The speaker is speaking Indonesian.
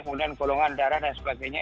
kemudian golongan darah dan sebagainya